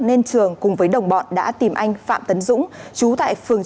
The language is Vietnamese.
nên trường cùng với đồng bọn đã tìm anh phạm tấn dũng chú tại phường chín tp tuy hòa để trả thù